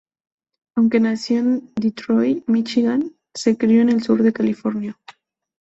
Aunque nació en Detroit, Míchigan, se crio en el sur de California.